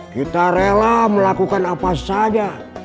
kita rela melakukan apa saja